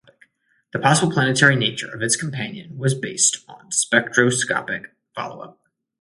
The possible planetary nature of its companion was based on spectroscopic follow-up.